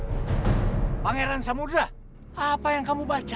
pangeran samudera apa yang kamu baca